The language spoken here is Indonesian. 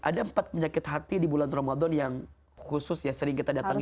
ada empat penyakit hati di bulan ramadan yang khusus ya sering kita datangi